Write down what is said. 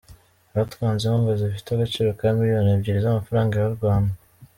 Hatanzwe inkunga zifite agaciro ka miliyoni ebyeri z’amafaranga y’u Rwanda .